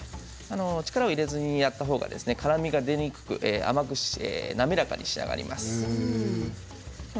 力を入れずにやったほうが辛みが出にくく甘く滑らかに仕上がります。